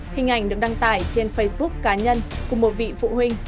hình ảnh được đăng tải trên facebook cá nhân của một vị phụ huynh